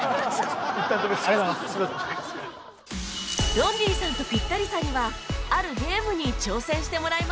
ロンリーさんとピッタリさんにはあるゲームに挑戦してもらいます